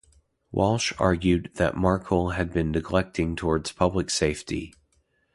Walsh argued that Markel had been neglecting towards public safety.